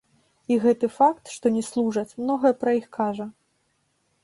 І гэты факт, што не служаць, многае пра іх кажа.